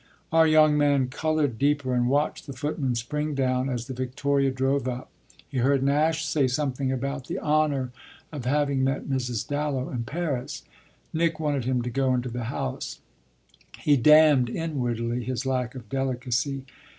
Our young man coloured deeper and watched the footman spring down as the victoria drove up; he heard Nash say something about the honour of having met Mrs. Dallow in Paris. Nick wanted him to go into the house; he damned inwardly his lack of delicacy.